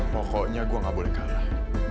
pokoknya gue gak boleh kalah